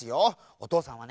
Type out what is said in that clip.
おとうさんはね